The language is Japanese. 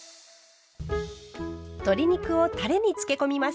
鶏肉をたれにつけ込みます。